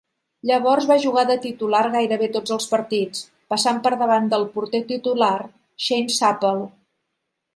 Llavors va jugar de titular gairebé tots els partits, passant per davant del porter titular, Shane Supple.